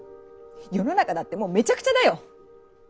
世の中だってもうめちゃくちゃだよ。